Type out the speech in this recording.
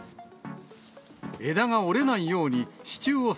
枝が折れないように、支柱を